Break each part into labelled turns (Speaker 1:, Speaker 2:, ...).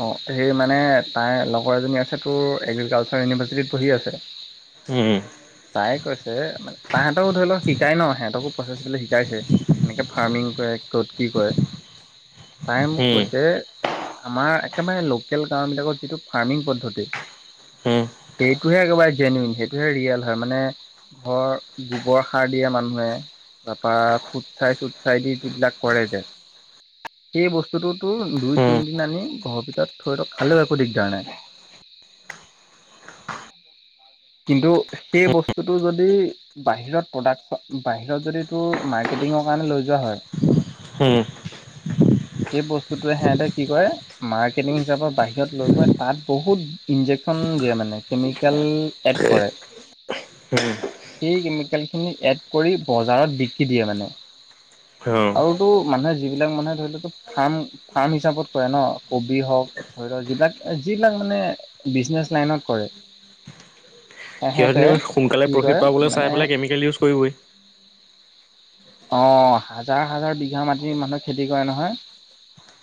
Speaker 1: অ', সেই মানে তাইৰ লগৰ এজনী আছে তোৰ এগ্ৰিকালচাৰ ইউনিভাৰ্চিটিত বহি আছে।
Speaker 2: উম।
Speaker 1: তাই কৈছে তাহেঁতকো ধৰি লওক শিকাই ন সিহঁতকো প্ৰচেছ শিকাইছে। এনেকে ফাৰ্মিং কৰে ক'ত কি কৰে তাই মোক কৈছে। আমাৰ একেবাৰে লোকেল গাঁওবিলাকত যিটো ফাৰ্মিং পদ্ধতি সেইটোহে একেবাৰে ট্ৰেনিং সেইটোহে ৰিয়েল হয় মানে ঘৰ গোবৰ সাৰ দিয়ে মানুহে তাৰপা ফুট চাই চুট চাই দি যিবিলাক কৰে যে সেই বস্তুটোতো দুই
Speaker 2: সিহঁতেনো
Speaker 1: তিনদিন আনি ঘৰৰ ভিতৰত থৈ থক খালেও একো দিগদাৰ নাই। কিন্তু সেই বস্তুটো যদি বাহিৰত প্ৰডাক্ট বাহিৰত যদি তোৰ মাৰ্কেটিঙৰ কাৰণে লৈ যোৱা হয়।
Speaker 2: হ'ম।
Speaker 1: সেই বস্তুটোৱে সিহঁতে কি কৰে মাৰ্কেটিং হিচাপে বাহিৰত লৈ গৈ তাত বহুত ইনজেকচন দিয়ে মানে কেমিকেল এড কৰে।
Speaker 2: [unintelligible]
Speaker 1: সেই কেমিকেলখিনি এড কৰি, বজাৰত বিক্ৰী দিয়ে মানে। আৰু তোৰ, মানুহে যিবিলাক, মানুহে ধৰি ল' তোৰ ফাৰ্ম-ফাৰ্ম হিচাপত কৰে, ন'! কবি হওঁক, ধৰি লোৱা, যিবিলাক-যিবিলাক মানে, বিজনেছ লাইনত কৰে। সেহেঁতে
Speaker 2: সিহঁতেনো, সোনকালে
Speaker 1: কি
Speaker 2: প্ৰফিট
Speaker 1: কৰে
Speaker 2: পাবলৈ
Speaker 1: মানে
Speaker 2: চাই পেলাই, কেমিকেল ইউজ কৰিবই।
Speaker 1: অ'! হাজাৰ-হাজাৰ বিঘা মাটি, মানুহে খেতি কৰে নহয়।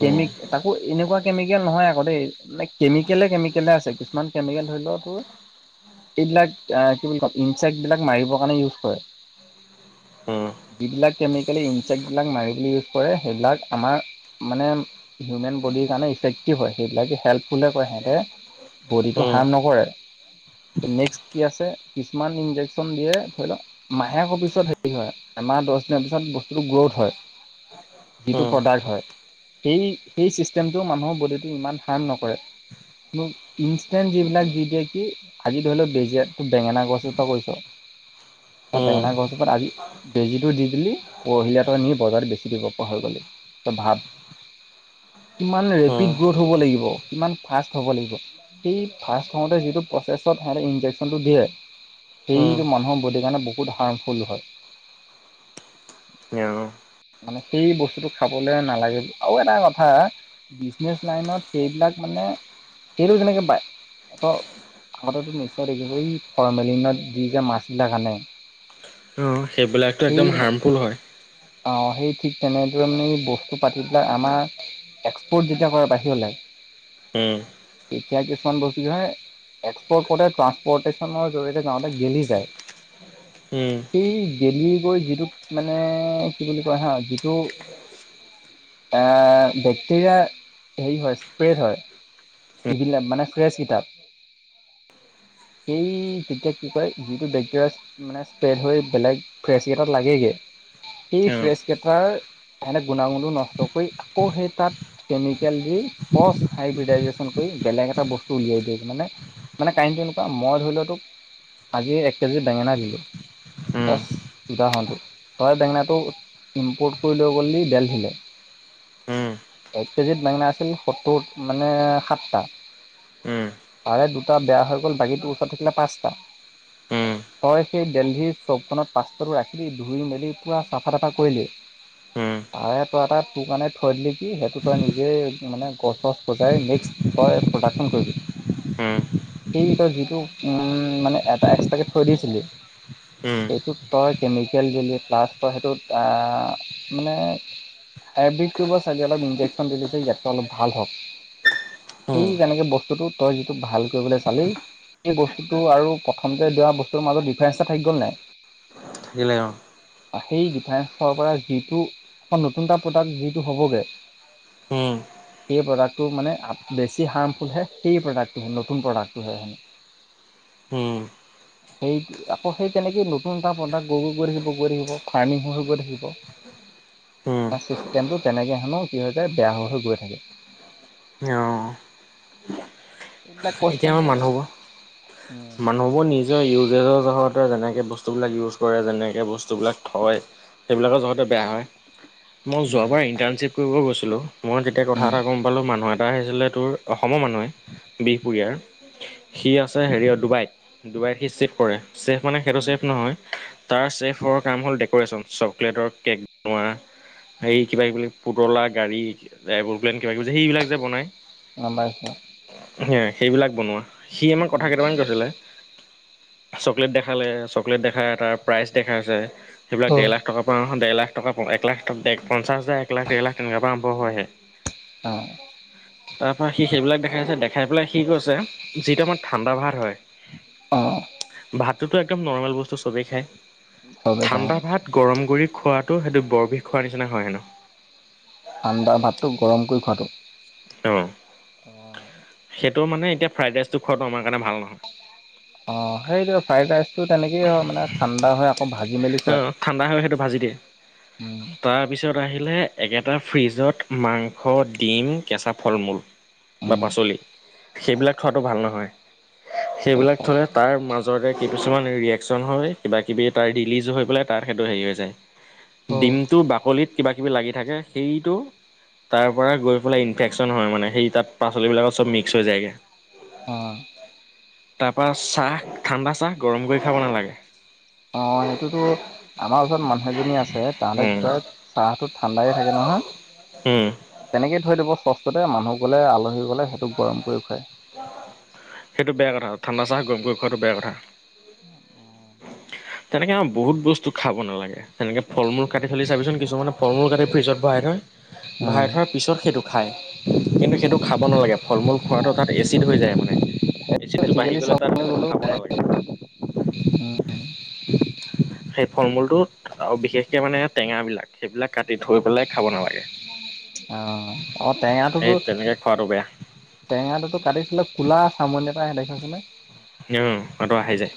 Speaker 1: কেমিক, তাকো, এনেকুৱা কেমিকেল নহয়, আকৌ দেই। মানে, কেমিকলে, কেমিকলে আছে। কিছুমান কেমিকেল, ধৰি লওঁ তোৰ, এইবিলাক, কি বুলি কম! ইনচেক্ট বিলাক মাৰিবৰ কাৰণে, ইউজ কৰে। যিবিলাক, কেমিকেল ইনচেক্ট বিলাক মাৰিব ইউজ কৰে, সেইবিলাক আমাৰ মানে, হিউমেন বডিৰ কাৰণে, ইফেক্টিভ হয়। সেইবিলাকে, হেল্পফুলে কয় সিহঁতে। বডিটো হাৰ্ম নকৰে। নেক্সট কি আছে, কিছুমান ইঞ্জেকচন দিয়ে, ধৰি লওঁক, মাহেকৰ পিছত হেৰি হয়। এমাহ, দহ দিনৰ পিছত, বস্তুটো গ্ৰোথ হয়, যিটো প্ৰডাক্ট হয়। সেই, সেই চিষ্টেমটো মানুহৰ বডিটো, ইমান হাৰ্ম নকৰে। ইনষ্টেণ্ট যিবিলাক, যি দে কি আজি ধৰি লওঁ, [unintelligible] বেঙেনা গছ, এজোপা কৰিছোঁ। ত' বেঙেনা গছ এজোপাত আজি, বেজীটো দি দিলোঁ, পৰহিলে আকৌ নি বজাৰত বেচি দিব পৰা হৈ গ'ল। তই ভাব? কিমান ৰেপিড, গ্ৰোথ হ'ব লাগিব, কিমান ফাষ্ট হ'ব লাগিব। সেই ফাৰ্ষ্ট হওঁতে, যিটো প্ৰচেছত, সিহঁতে ইঞ্জেকচনটো দিয়ে। সেইটো, মানুহৰ বডিৰ কাৰণে, বহুত হাৰ্মফুল হয়।
Speaker 2: [unintelligible]
Speaker 1: মানে, সেই বস্তুটো খাবলৈ নালাগে। আৰু এটা কথা বিজনেছ লাইনত, সেইবিলাক মানে, সেইটো কনেকে পাই? আগতেতো, নিশ্চয় দেখিছই! এই, ফৰমেলিনত দি যে মাছ বিলাক আনে।
Speaker 2: সেইবিলাকটো, একদম
Speaker 1: সেই
Speaker 2: হাৰ্মফুল হয়।
Speaker 1: অ'! সেই ঠিক তেনেদৰে, মানে বস্তু পাতি বিলাক আমাৰ, এক্সপৰ্ট যেতিয়া কৰে, বাহিৰলে। তেতিয়া, কিছুমান বস্তু, কি হয়, এক্সপৰ্ট কৰোঁতে, ট্ৰানসপৰ্টেশ্যনৰ জৰিয়তে, গাঁৱতে গেলি যায়। [unintelligible] গেলি গৈ, যিটোক মানে, কি বুলি কয় হা! যিটো এ, বেক্টেৰিয়া হেৰি হয়, স্প্ৰেড হয়। এইবিলাক মানে, ফ্ৰেছ কিতাপ। সেই তেতিয়া, কি কয়, যিটো বেক্টেৰিয়া মানে, স্প্ৰেড হৈ, বেলেগ ফ্ৰেচকেইটাত লাগেগে, সেই ফ্ৰেচকেইটাৰ সেহেঁতে গুণগুণটো নষ্ট কৰি, আকৌ সেই তাত, কেমিকেল দি, পচ হাইবডাইজন কৰি, বেলেগ এটা বস্তু উলিয়াই দিয়ে। মানে, মানে, কাহিনীটো এনেকুৱা, মই ধৰি লোৱা তোক, আজি, এক কেজি বেঙেনা দিলোঁ। [unintelligible] উদাহৰণটো, তই বেঙেনাটো ইম্পৰ্ট কৰি লৈ গ'লি দিল্লীলে। এক কেজিত, বেঙেনা আছিল, সত্তৰ মানে, সাতটা। পাৰে, দুটা বেয়া হৈ গ'ল। বাকীটোৰ, ওচৰত থাকিলে, পাঁচটা। তই সেই, দিল্লীৰ চপখনত পাস্তটো ৰাখি, ধুই-মেলি পূৰা চাফা-তাফা কৰিলি! তাৰে, তই এটা, তোৰ কাৰণে থৈ দিলি, কি? সেইটো, তই নিজে মানে, গছ-চছ সজাই, নেক্সট তই প্ৰডাকশ্যন কৰিবি।
Speaker 2: উম!
Speaker 1: সেই, তই যিটো, উম! মানে, এটা এক্সট্ৰাকে থৈ দিছিলি। এইটোত, তই কেমিকেল দিলি, প্লাছ তই সেইটোত, আঁ মানে, আয়ুৰ্বেদটব চাগ অলপ ইঞ্ক্যন দিছে ইটা অলপাল হ'ওক। সেই তেনেকে বস্তুটো তই যিটো ভাল কৰিবলৈ চালেই এই বস্তুটো আৰু প্ৰথমতে দিয়া বস্তুৰ মাজত ডিফাৰেন্স এটা থাকি গ'ল নাই।
Speaker 2: থাকিলে অ,
Speaker 1: সেই ডিফাৰেন্ঞ্চৰ পৰা যিটো আকৌ নতুন এটা প্ৰডাক্ট যিটো হ'বগে।
Speaker 2: হম,
Speaker 1: সেই প্ৰডাক্টটো মানে, বেছি হাৰ্মফুলহে সেই প্ৰডাক্টটো নতুন প্ৰডাক্টটোহে। সেই আকৌ, সেই তেনেকে নতুন নতুন এটা প্ৰডাক্টৈ গৈ থাকিব, গৈ থাকিব, ফাৰ্মিঙ হৈ গৈ থাকিব। ছিষ্টেমটো তেনেকৈ হেনো কি হৈ যায় বেয়া হৈ, হৈ গৈ থাকে।
Speaker 2: ইঅ,
Speaker 1: এইবিলাক কষ্ট হে, উম,
Speaker 2: নব, নিজৰ ইউজেজৰ জগৰতে যেনেকৈ বস্তুবিলাক ইউজ কৰে, যেনেকৈ বস্তুবিলাক থয়। সেইবিলাকৰ যহতে বেয়া হয়, মই
Speaker 1: উম
Speaker 2: যোৱ ইণ্টাৰ্ণশ্বিপ কৰিব গৈছিলোঁ, মই যেতিয়া কথা
Speaker 1: উম
Speaker 2: এটা গম পালোঁ মানুহ এটা আহিছিলে তোৰ অসমৰ মানুহ এই। পুৰয়াৰ, সি আছে হেৰিয় ডুবাইত, ডুবাইত সি চিফ কৰে। ছেফ মানে সেইটো
Speaker 1: উম
Speaker 2: চেফ নহয়, তাৰ চফৰ কাম হ'ল ডেক'ৰেচন চকলেটৰ কেক। তোমাৰ হেই
Speaker 1: উম
Speaker 2: কিবা, কিবি পুতলা গাড়ী, ড্ৰাইভৰ প্লেন কিবা কিবি সেইবিলাক যে বনায়।
Speaker 1: গম, পাইছো।
Speaker 2: সেইবিলাক বনোৱা, সি আমাক কথা
Speaker 1: উম
Speaker 2: কেইটামান কৈছিলে। চকলেট দেখালে, চকলেট দেখাই তাৰ প্ৰাইচ দেখাইছে, সেইবিলাক দেৰ লাখ টকা পৰা, দেৰ লাখ টকা এক লাখ, পঞ্চা হাজাৰ, এক লাখ, দেৰ লাখ, তেনেকুৱা পৰা আৰম্ভ হয় হে।
Speaker 1: অ,
Speaker 2: তাৰ পৰা সি সেইবিলাক দেখাইছে দেখাই পেলাই সি কৈছ, যিটো আমাৰ ঠাণ্ডা ভাত হয়।
Speaker 1: অঁ
Speaker 2: ভাতটোতো একদম নৰ্মেল বস্তু, চবেই খাই,
Speaker 1: চবেই খায়
Speaker 2: ঠাণ্ডা ভাত গৰম কৰি খোৱাটো সেইটো বৰ বিষ খোৱাৰ নিচিনা হয় হেনো।
Speaker 1: ঠাণ্ডাৰ ভাতটো গৰম কৰি খোৱাটো
Speaker 2: অ, সেইটো মানে এতিয়া ফ্ৰাইড ৰাইচটো খোৱাটো আমাৰ কাৰণে ভাল নহয়।
Speaker 1: অ, সেইটো ফ্ৰাইড ৰাইচটো তেনেকেই হয় মানে ঠাণ্ডা হয় আকৌ ভাজি মেলি
Speaker 2: অ
Speaker 1: খুৱায়
Speaker 2: ঠাণ্ডা হয়, সেইটো ভাজি দিয়ে।
Speaker 1: [inaudible]
Speaker 2: তাৰপিছত আহিলে একেটা ফ্ৰিজত মাংস, ডিম, কেঁচা ফল মূল। বা
Speaker 1: উম
Speaker 2: পাচলি, সেইবিলাক থোৱাটো ভাল নহয়। সেইবিলাক থলে, তাৰ মাজতে কিছুমান ৰিয়কচন হয়, কিবা কিবি এটা ৰি যোগ হৈ পেলাই তাত সেইটো হেৰি হৈ যায়,
Speaker 1: অ
Speaker 2: ডিমটো বাকলিত কিবা কিবি লাগি থাকে সেইটো তাৰ পৰা গৈ পেলাই ইনফেকশচন হয় মানে, সেই তাত পাচলিবিলাকত চ'ব মিক্স হৈ যায়গৈ।
Speaker 1: অ,
Speaker 2: তাৰ পৰা চাহ ঠাণ্ডা চাহ গৰম কৰি খাব নালাগে।
Speaker 1: অ, সেইটোতো আমাৰ ওচৰত মানুহ এজনী আছে তাহতে
Speaker 2: উম
Speaker 1: কি কৰে চাহটো ঠাণ্ডাই থাকে নহয়।
Speaker 2: উম,
Speaker 1: তেনেকে থৈ দিব চছটোতে মানুহ গ'লে, আলহী গ'লে সেইটো গৰম কৰি খুৱাই।
Speaker 2: সেইটো বেয়া কথা, ঠাণ্ডা চাহ গম গৈ খোৱাটো বেয়া কথা।
Speaker 1: [unintelligible]
Speaker 2: তেনেকে বহুত বস্তু খাব নালাগে। তেনেকে ফল মূল কাটি চি, চাবিচোন কিছুমানে ফল মূল কাটি ফ্ৰজত বহাই থয়।
Speaker 1: উম
Speaker 2: ভৰাই থোৱাৰ পিছত সেইটো খায়, কিন্তু সেইটো খাব নালাগে ফল মূল খোৱাটো তাত এচিড হৈ যায় মানে, এচিড টো বাঢ়ি
Speaker 1: প্ৰেক্টিকেলি
Speaker 2: গলে তাত
Speaker 1: চাবলৈ
Speaker 2: সেইতো
Speaker 1: গ'লো
Speaker 2: খাব নালাগে।
Speaker 1: উম
Speaker 2: সেই ফল মূলটোত বিশেষকে মানে টেঙা বিলাক সেইবিলাক কাটি থৈ পেলাই খাব নালাগে।
Speaker 1: অ', অ'
Speaker 2: সেই
Speaker 1: টেঙাটোতো
Speaker 2: তেনেকে খোৱাটো বেয়া
Speaker 1: টেঙাটোতো কাটিছিলে, ক'লা চামনি এটা আহে দেখাইছোনে?
Speaker 2: উ, সেইটো আহি যায়।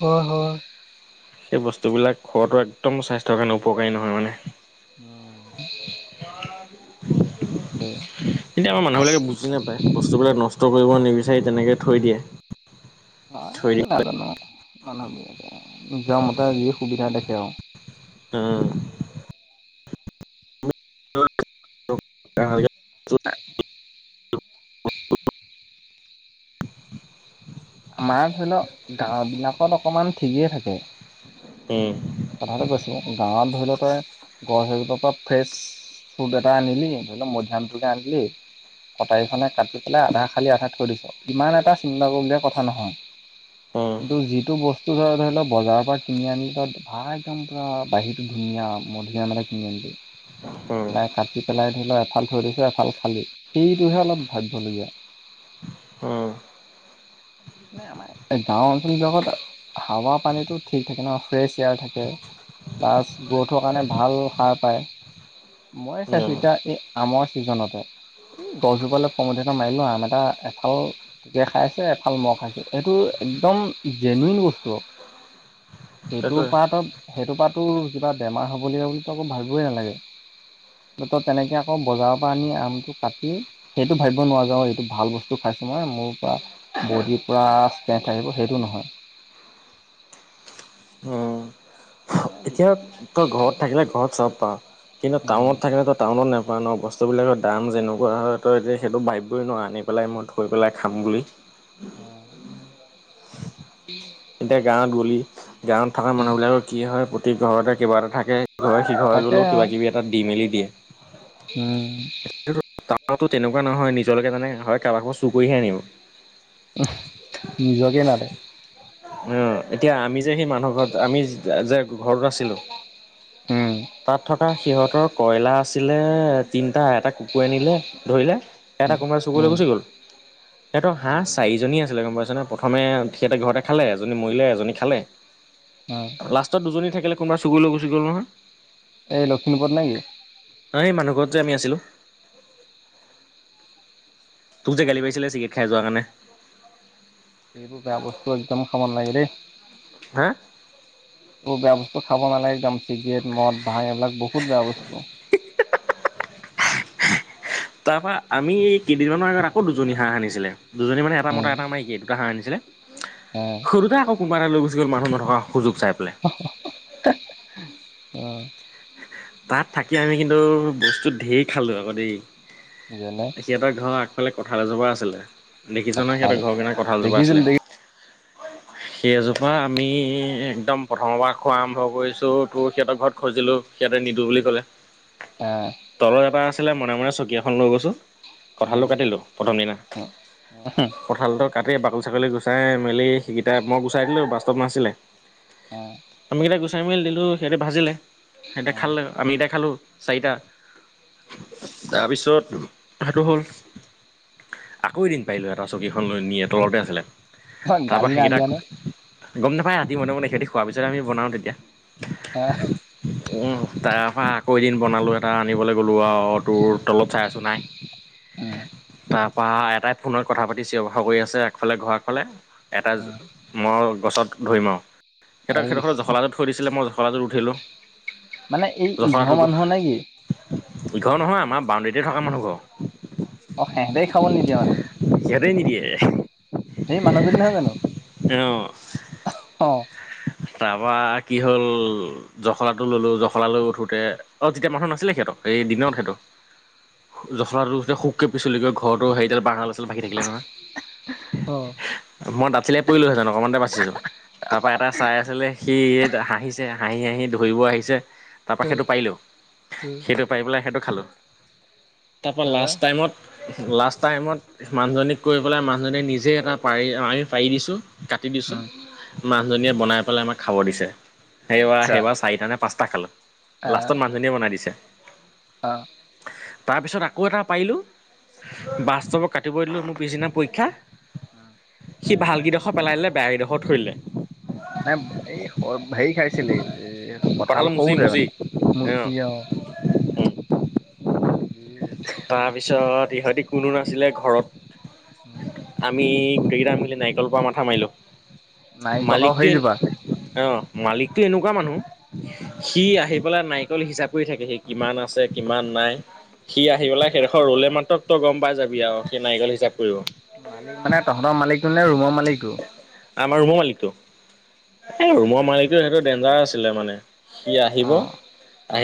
Speaker 1: হয় হয়।
Speaker 2: সেই বস্তুবিলাক খোৱাটো একদম স্বাস্থ্যৰ কাৰণে উপকাৰী নহয় মানে।
Speaker 1: উম।
Speaker 2: এতিয়া আমাৰ মানুহবিলাকে বুজ বুজি নাপায়, বস্তুবিলাক নষ্ট কৰিব নিবিচাৰি তেনেকে থৈ দিয়ে। থৈ দি
Speaker 1: এই নাজানো, মানুহবিলাকে নিজৰ মতে যি সুবিধা দেখে আৰু।
Speaker 2: উম। [unintelligible]
Speaker 1: আ আমাৰ ধৰি ল' গাঁওবিলাকত অকণমান ঠিকেই থাকে।
Speaker 2: উম।
Speaker 1: কথাটো কৈছোঁ গাঁৱত ধৰি ল' তই গছ হেৰিৰপৰা ফ্ৰেছ চুট এটা আনিলি, ধৰি ল' মধ্যাহ্নটোকে আনিলি কটাৰীখনে কাটি পেলাই আধা খালি আধা থৈ দিছ, ইমান এটা চিন্তা কৰিবলগীয়া কথা নহয়।
Speaker 2: উম
Speaker 1: কিন্তু যিটো বস্তু ধৰ ধৰি ল' বজাৰৰপৰা কিনি আনি তাত বা একদম পূৰা বাহিৰটো ধুনীয়া মধুৰি আম এটা কিনি আনিলি
Speaker 2: উম
Speaker 1: নাই কাটি পেলাই ধৰি ল' এফাল থৈ দিছ এফাল খালি, সেইটোহে অলপ ভাবিবলগীয়া।
Speaker 2: উম।
Speaker 1: মানে আমাৰ গাওঁ অঞ্চলবিলাকত হাৱা পানীতো ঠিক থাকে ন' ফ্ৰেছ এয়াৰ থাকে। প্লাছ গ্ৰ'থৰ কাৰণে ভাল সাৰ পায়। মই চাইছোঁ
Speaker 2: উম
Speaker 1: এতিয়া এই আমৰ ছিজনতে এই গছজোপালৈ খং উঠে ন' মাৰিলো আম এটা এফাল পোকে খাই আছে ফাল মই খাইছোঁ, এইটো একদম জেনুৱিন বস্তু সেইটো
Speaker 2: সেইটোৱে
Speaker 1: পাতত সেইটো পাতো কিবা বেমাৰ হ'বলগীয়া বুলিতো আকৌ ভাবিবই নালাগে। ত' তেনেকৈ আকৌ বজাৰৰপৰা আনি আমটো কাটি সেইটো ভাবিব নোৱাৰ যে এইটো ভাল বস্তু খাইছোঁ, মই মোৰপৰা বডিৰ পুৰা ষ্ট্ৰেথ থাকিব সেইটো নহয়।
Speaker 2: উম। এতিয়া তই ঘৰত থাকিলে ঘৰত চব পাওঁ কিন্তু
Speaker 1: উম
Speaker 2: টাউনত থাকিলে তই টাউনত নেপোৱা ন', বস্তুবিলাকৰ দাম যেনেকুৱা হয়, তই এতিয়া সেইটো ভাবিবই নোৱাৰ আনি পেলাই মই থৈ পেলাই খাম বুলি।
Speaker 1: উম।
Speaker 2: এতিয়া গাঁৱত গ'লি গাঁৱত থকা মানুহবিলাকৰ কি হয় প্ৰতি ঘৰতে কিবা এটা থাকে ইঘৰে সিঘৰে
Speaker 1: তাকে
Speaker 2: গ'লেও
Speaker 1: আৰু
Speaker 2: কিবা কিবি এটা দি মেলি দিয়ে।
Speaker 1: উম।
Speaker 2: টাউনতটো তেনেকুৱা নহয় নিজলৈকে মানে হয় কাৰবা ঘৰৰপা চুৰ কৰিহে আনিব।
Speaker 1: নিজকে লাগে।
Speaker 2: উ, এতিয়া আমি যে সেই মানুহ ঘৰত, আমি যে ঘৰত আছিলোঁ
Speaker 1: উম।
Speaker 2: তাত থকা সিহঁতৰ কইলাৰ আছিলে তিনটা, এটা কুকুৰে নিলে ধৰিলে এটা কোনবাই চুৰ কৰি লৈ
Speaker 1: উম
Speaker 2: গুচি গ'ল। সিহঁতৰ হাঁহ
Speaker 1: অ
Speaker 2: চাৰিজনী আছিলে গম পাইছনে, প্ৰথমে সিহঁতে ঘৰতে খালে, এজনী মৰিলে, এজনী খালে।
Speaker 1: অ
Speaker 2: লাষ্টত দুজনী থাকিলে, কোনোবা চুৰ কৰি লৈ গুচি গল নহয়।
Speaker 1: এই লখিমপুৰত নে কি?
Speaker 2: নহয়, এই মানুহ ঘৰত যে আমি আছিলোঁ। তোক যে গালি পাৰিছিলে, চিগেৰেট খাই যোৱা কাৰণে।
Speaker 1: এইবোৰ বেয়া বস্তু একদম খাব নালাগে দে।
Speaker 2: হা
Speaker 1: আৰু বেয়া বস্তু খাব নালাগে একদম চিগেট, মদ, ভাং এইবিলাক বহুত বেয়া বস্তু।
Speaker 2: তাৰপৰা আমি এই কেইদিনমানৰ আগত আকৌ দুজনী হাঁহ আনিছিলে। দুজনী মানে এটা মতা, এটা মাইকি দুটা হাঁহ আনিছিলে।
Speaker 1: অ'।
Speaker 2: সৌদুটা কোনবা এটা লৈ গুচি গ'ল মানুহ নথকা সুযোগ চাই পেলাই।
Speaker 1: অ'।
Speaker 2: তাত থাকি আমি কিন্তু বস্তু ধেৰ খালোঁ আকৌ দেই।
Speaker 1: যেনে
Speaker 2: সিহঁতৰ ঘৰ আগফালে কঠাল এজোপা আছিলে। দেখিছ নহয়
Speaker 1: কঁঠাল
Speaker 2: সিহঁতৰ ঘৰকেনে কঠালজোপা
Speaker 1: দেখিছিলো
Speaker 2: আছিলে।
Speaker 1: দেখি
Speaker 2: সেইজোপা আমি একদম প্ৰথমৰ পৰা খোৱা আৰম্ভ কৰিছো, তোৰ সিহঁতৰ ঘৰত খুজিলো। সিহঁতে নিদো বুলি ক'লে।
Speaker 1: অ'।
Speaker 2: তলত এটা আছিলে মনে মনে চকী এখন লৈ গৈছো।
Speaker 1: উম,
Speaker 2: কঁঠালটো কাটিলো প্ৰথম দিনা। কঁঠালটো কাটি বাকলি ছাকলি গুচাই মেলি সেইকেইটা মই গুচাই দিলো বাষ্টপ নাছিলে।
Speaker 1: উম,
Speaker 2: আমিকেইটা গুচাই মেলি দিলো সিহঁতে ভাজিলে। সিঁহতে
Speaker 1: উম।
Speaker 2: খালে আমিকেটা খালো চাৰিটা। তাৰপিছত সেইটো হ'ল আকৌ এদিন পাৰিলো এটা চকীখন লৈ নিয়ে তলতে আছিলে।
Speaker 1: তোমাক
Speaker 2: তাৰ পৰা
Speaker 1: গালি না
Speaker 2: সেইকেইটা
Speaker 1: দিয়া নে?
Speaker 2: গম নেপায়। ৰাতি মনে মনে ইহঁতি খোৱাৰ পিছত আমি বনাও তেতিয়া।
Speaker 1: আহ।
Speaker 2: উম তাৰ পৰা আকৌ এদিন বনালো এটা আনিবলৈ গলো আও তোৰ তলত চাই আছো নাই।
Speaker 1: উম।
Speaker 2: তাৰ পৰা এটাই ফোনত কথা পাতিছে কৰি আছে আগফালে ঘৰৰ আগফালে এটাই
Speaker 1: উম,
Speaker 2: মই গছত ধৰিম আৰু সিহঁতক-সিঁহতৰ
Speaker 1: আইচ।
Speaker 2: ঘৰৰ জখলাটোত থৈ দিছিলে, মই জখলাটোত উঠিলোঁ।
Speaker 1: মানে এই
Speaker 2: জখলাটো,
Speaker 1: ইঘৰ মানুহৰ নে কি?
Speaker 2: ইঘৰ নহয় আমাৰ বাউণ্ডেৰীতে থকা মানুহ ঘৰ।
Speaker 1: অ', সেহঁতেই খাবলৈ নিদিয়ে মানে।
Speaker 2: ইহতেই নিদিয়ে।
Speaker 1: সেই মানুহজনী নহয় জানো?
Speaker 2: অ',
Speaker 1: অ'।
Speaker 2: তাৰপা কি হ'ল জখলাটো ললো, জখলা লৈ উঠোতে অ', তেতিয়া মানুহ নাছিলে সিহঁতৰ, এই দিনত সেটো। জখলাটো শুককে পিচল গৈ ঘৰটো হেৰিডাল বাঁহডাল আছে। ভাগি থাকিলে নহয়।
Speaker 1: অ',
Speaker 2: মই দাতচিলে পৰিলোহেতেন অকণমানতে বাচিছো। তাৰ পৰা এটা চাই আছিলে সি হাঁহিছে হাঁহি-হাঁহি ধৰিব আহিছে। তাৰপৰা
Speaker 1: উম,
Speaker 2: সেইটো পাৰিলোঁ। সেইটো পাৰি পেলাই সেইটো খালোঁ। তাৰপৰা লাষ্ট টাইমত লাষ্ট টাইমত মানুহজনীক কৰি পেলাই, মানুহজনী নিজে এটা পাৰি আমি পাৰি দিছোঁ। কাটি দিছো
Speaker 1: উম,
Speaker 2: মানুহজনীয়ে বনাই পেলাই আমাক খাব দিছে।
Speaker 1: আচ্ছা,
Speaker 2: সেইবাৰ-সেইবাৰ চাৰিটা নে পাঁচটা খালো। লাষ্টত
Speaker 1: আহ
Speaker 2: মানুহজনিয়ীয়ে বনাই দিছে। তাৰপিছত আকৌ এটা পাৰিলোঁ। বাস্তৱক কাটিব দিলো মোৰ পিছদিনা পৰীক্ষা।
Speaker 1: অ'।
Speaker 2: সি ভাল কেইডোখৰ পেলাই দিলে। বেয়া কেইডোখৰত থৰিলে।
Speaker 1: মানে এই হেৰি খাইছিলি এ।
Speaker 2: কঁঠাল
Speaker 1: কঠাল
Speaker 2: মুচি
Speaker 1: সৰুতে
Speaker 2: মুচি
Speaker 1: মানে মুচি অ'।
Speaker 2: অ
Speaker 1: দ
Speaker 2: তাৰপিছত ইহঁতি কোনো নাছিলে ঘৰত।
Speaker 1: অ
Speaker 2: আমি গোটেইকেইটা মিলি নাৰিকলৰ পৰা মাথা মাৰিলো।
Speaker 1: নাৰিকলৰ
Speaker 2: মালিকটোৱে
Speaker 1: হেৰিজোপা।
Speaker 2: অ', মালিকতটো এনেকুৱা মানুহ। সি আহি পেলাই নাৰিকল হিচাপ কৰি থাকেহি, কিমান আছে কিমান নাই। সি আহি আহি পেলাই সেইডোখৰত ৰু'লে মাত্ৰ তই গম পাই যাবি আৰু সি‌ নাৰিকল হিচাপ কৰিব।
Speaker 1: মালিক মানে তহঁতৰ মালিকটো নে, ৰুমৰ মালিকটো?
Speaker 2: আমাৰ ৰোমৰ মালিকটো। ৰুমৰ মালিকটো, সেইটো ডেঞ্জাৰ আছিলে মানে। সি আহিব,
Speaker 1: অ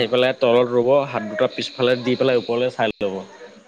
Speaker 1: অ।
Speaker 2: পেলাই তলত ৰ'ব, হাত দুটা পিছফালে দি পেলাই ওপৰলৈ চাই ল'ব।